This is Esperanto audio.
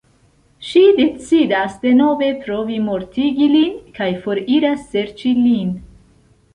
Ŝi decidas denove provi mortigi lin kaj foriras serĉi lin.